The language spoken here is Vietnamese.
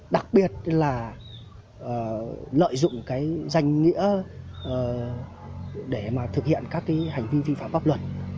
đặc biệt là lợi dụng cái danh nghĩa để mà thực hiện các cái hành vi vi phạm pháp luật